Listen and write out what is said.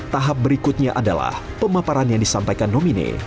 tahap berikutnya adalah pemaparan yang disampaikan nomine